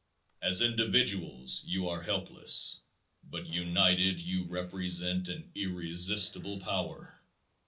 As individuals you are helpless, but united you represent an irresistible power.